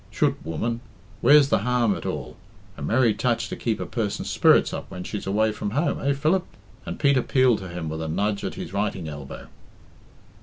"Chut! woman; where's the harm at all? A merry touch to keep a person's spirits up when she's away from home eh, Philip?" and Pete appealed to him with a nudge at his writing elbow.